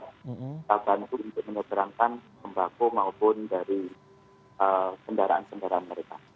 bagian itu untuk menyeberangkan lembako maupun dari kendaraan kendaraan mereka